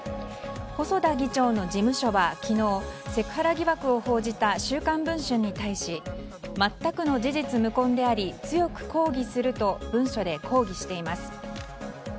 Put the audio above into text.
細田議長の事務所は昨日セクハラ疑惑を報じた「週刊文春」に対し全くの事実無根であり強く抗議すると文書で抗議しています。